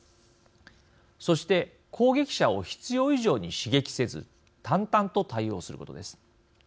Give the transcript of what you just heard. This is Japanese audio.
そして攻撃者を必要以上に刺激せず淡々と対応することです。